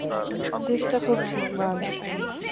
চেষ্টা করছি, বাল!